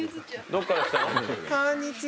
どこから来たの？